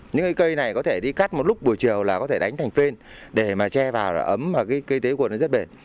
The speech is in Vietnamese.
những cây này có thể đi cắt một lúc buổi chiều là có thể đánh thành phên để mà che vào ấm và cây tế cuột rất bền